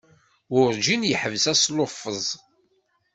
Werǧin yeḥbes asluffeẓ.